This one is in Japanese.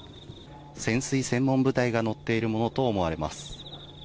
潜水専門部隊が乗っているものと思われます。